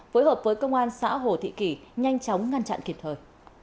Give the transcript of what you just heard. phối hợp với công an xã hồ thị kỷ nhanh chóng ngăn chặn kịp thời